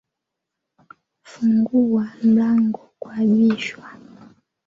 funguwa mlango kwabishwa